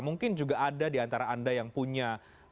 mungkin juga ada diantara anda yang punya